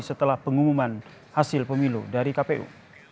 setelah pengumuman hasil pemilu dari kpu